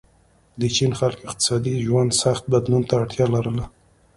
د چین خلکو اقتصادي ژوند سخت بدلون ته اړتیا لرله.